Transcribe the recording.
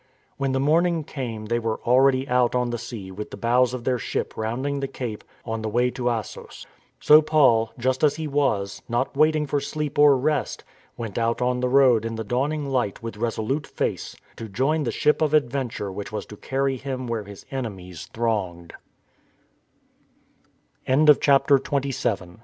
When the morning came they were already out on the sea with the bows of their ship rounding the cape on the way to Assos. So Paul, just as he was, not waiting for sleep or rest, went out on the road in the dawning light with resolute face, to join the ship of adventure which was to carry him where hi